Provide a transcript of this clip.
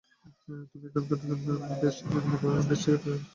তুমি এখানকার best criminal investigate journalist.